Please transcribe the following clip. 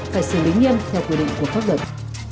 phải xử lý nghiêm theo quy định của pháp luật